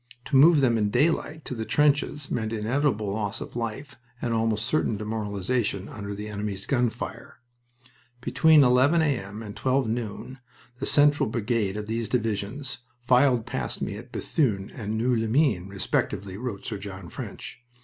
To move them in daylight to the trenches meant inevitable loss of life and almost certain demoralization under the enemy's gun fire. "Between 11 A.M. and 12 noon the central brigade of these divisions filed past me at Bethune and Noeux les Mines, respectively," wrote Sir John French.